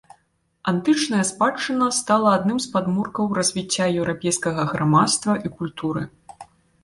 Антычная спадчына стала адным з падмуркаў развіцця еўрапейскага грамадства і культуры.